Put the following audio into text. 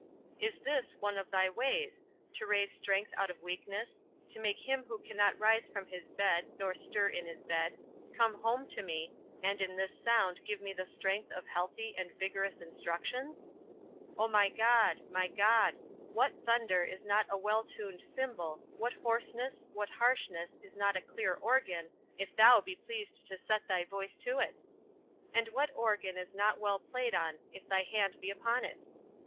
Is this one of thy ways, to raise strength out of weakness, to make him who cannot rise from his bed, nor stir in his bed, come home to me, and in this sound give me the strength of healthy and vigorous instructions? O my God, my God, what thunder is not a well tuned cymbal, what hoarseness, what harshness, is not a clear organ, if thou be pleased to set thy voice to it? And what organ is not well played on if thy hand be upon it?